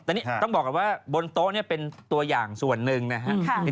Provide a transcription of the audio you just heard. แต่นี่ต้องบอกก่อนว่าบนโต๊ะเนี่ยเป็นตัวอย่างส่วนหนึ่งนะครับ